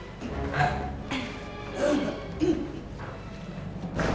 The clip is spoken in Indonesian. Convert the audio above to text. udah bu aku pengen masuk kamar dulu